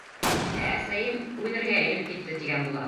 Ә әсәйем үлергә инеп китте, тигән була.